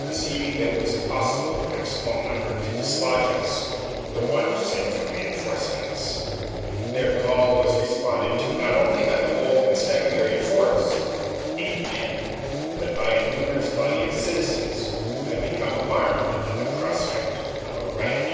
Perceiving that it was impossible with their small number to dislodge us, the watch sent for reinforcements. Their call was responded to, not only by the whole constabulary force (eight men), but by a numerous body of citizens, who had become alarmed at the prospect of a riot.